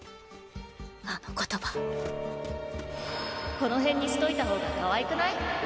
この辺にしといた方がかわいくない？